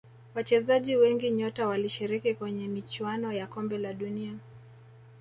wachezaji wengi nyota walishiriki kwenye michuano ya kombe la dunia